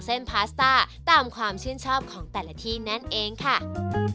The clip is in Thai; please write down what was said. เพราะจะมีของแห้ง๗อย่าง